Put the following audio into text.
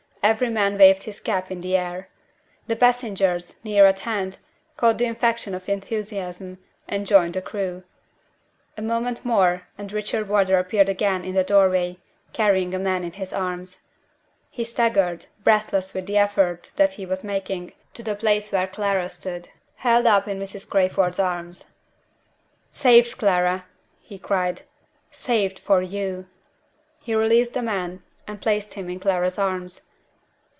Every man waved his cap in the air. The passengers, near at hand, caught the infection of enthusiasm, and joined the crew. A moment more, and Richard Wardour appeared again in the doorway, carrying a man in his arms. He staggered, breathless with the effort that he was making, to the place where Clara stood, held up in Mrs. Crayford's arms. "Saved, Clara!" he cried. "Saved for you!" He released the man, and placed him in Clara's arms.